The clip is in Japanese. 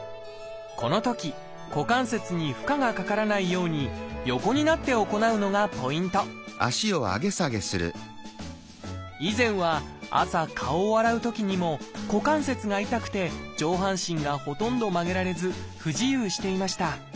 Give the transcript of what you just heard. このとき股関節に負荷がかからないように以前は朝顔を洗うときにも股関節が痛くて上半身がほとんど曲げられず不自由していました。